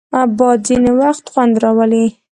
باد ځینې وخت خوند راولي